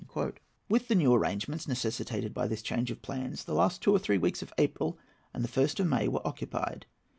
With the new arrangements necessitated by this change of plans the last two or three weeks of April and the first of May were occupied.